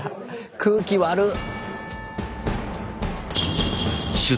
空気悪っ！